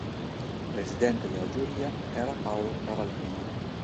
Presidente della giuria era Paolo Cavallina.